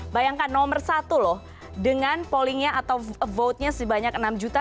bayangkan nomor satu loh dengan pollingnya atau vote nya sebanyak enam dua puluh empat lima ratus tiga